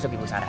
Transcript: masuk ibu sara